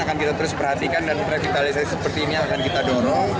akan kita terus perhatikan dan revitalisasi seperti ini akan kita dorong